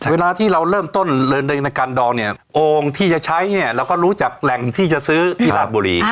เวลาที่เราเริ่มต้นเลินในการดองเนี่ยโอ่งที่จะใช้เนี่ยเราก็รู้จากแหล่งที่จะซื้อที่ราชบุรี